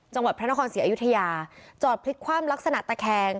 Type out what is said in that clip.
จังหวัดพระนครศรีอยุธยาจอดพลิกคว่ำลักษณะตะแคง